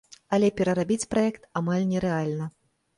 Але перарабіць праект амаль нерэальна.